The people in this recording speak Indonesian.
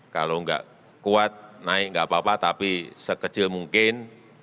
kalau nggak kuat naik nggak apa apa tapi sekecil mungkin